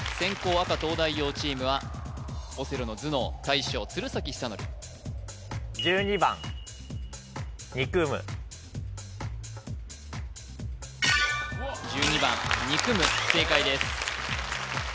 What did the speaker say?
赤東大王チームはオセロの頭脳大将鶴崎修功１２番にくむ正解です